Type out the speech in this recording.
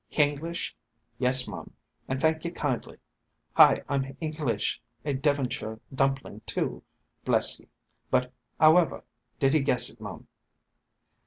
Hinglish? Yes, mum, and thank ye kindly, Hi 'm Hinglish — a Devonshire dumplin' too, bless ye! But 'owhever did 'e guess hit, mum?"